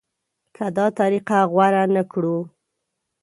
که دا طریقه غوره نه کړو.